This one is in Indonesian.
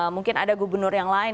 mungkin ada gubernur yang lain